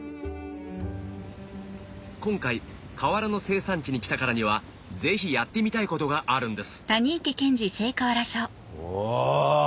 今回瓦の生産地に来たからにはぜひやってみたいことがあるんですお！